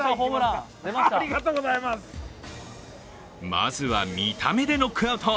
まずは、見た目でノックアウト！